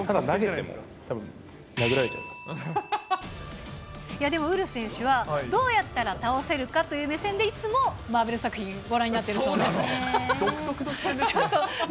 いやでもウルフ選手はどうやったら倒せるかという目線で、いつもマーベル作品、ご覧になっ独特の視点ですね。